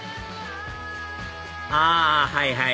あはいはい！